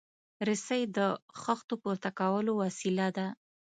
رسۍ د خښتو پورته کولو وسیله ده.